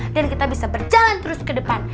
dan kita bisa berjalan terus ke depan